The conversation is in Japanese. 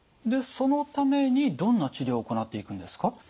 でそのためにどんな治療を行っていくんですか？